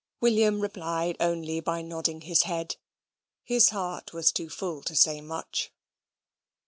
William replied only by nodding his head. His heart was too full to say much.